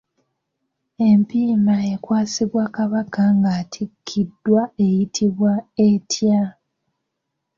Empiima ekwasibwa Kabaka ng'atikkiddwa eyitibwa etya?